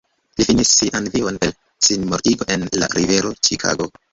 Li finis sian vivon per sinmortigo en la Rivero Ĉikago.